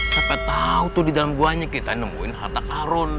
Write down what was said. siapa tau tuh di dalam gua ini kita nemuin harta karun